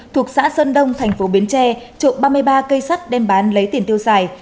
thuộc xã sơn đông thành phố bến tre trộm ba mươi ba cây sắt đem bán lấy tiền tiêu xài